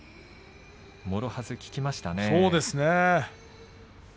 もろはず効きましたね。